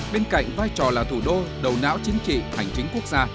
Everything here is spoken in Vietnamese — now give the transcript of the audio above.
bên cạnh vai trò là thủ đô đầu não chính trị hành chính quốc gia